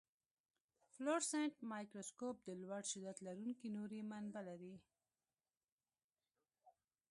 فلورسنټ مایکروسکوپ د لوړ شدت لرونکي نوري منبع لري.